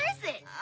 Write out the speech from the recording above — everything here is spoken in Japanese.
あ。